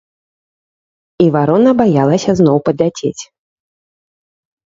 І варона баялася зноў падляцець.